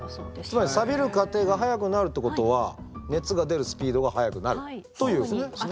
つまりサビる過程が速くなるってことは熱が出るスピードが速くなるということですね。